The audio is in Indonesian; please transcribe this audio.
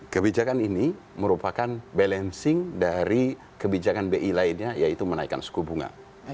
kebijakan ini merupakan balancing dari kebijakan bi lainnya yaitu menaikkan suku bunga